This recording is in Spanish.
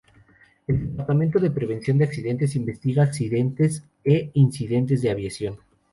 El Departamento de Prevención de Accidentes investiga accidentes e incidentes de aviación.